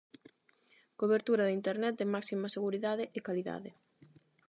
Cobertura de Internet de máxima seguridade e calidade.